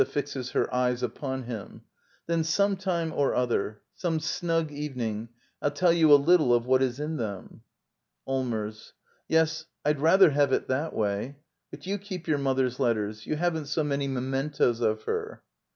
[Fixes her eyes upon him.] Then some time or other — some snug evening — 1*11 tell you a little of what is in them. Allmers. Yes, Td rather have it that way. But you keep your mother's letters. You haven't so many mementoes of her.